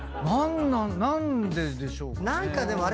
何なん何ででしょうかね？